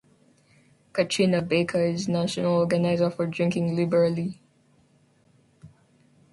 Katrina Baker is National Organizer for Drinking Liberally.